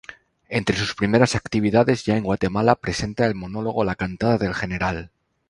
Entre sus primeras actividades, ya en Guatemala, presenta el monólogo "La Cantada del General".